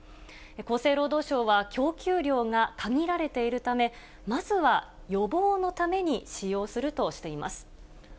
厚生労働省は供給量が限られているため、まずは予防のために使用するとしています。